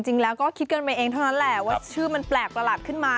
จริงแล้วก็คิดกันไปเองเท่านั้นแหละว่าชื่อมันแปลกประหลาดขึ้นมา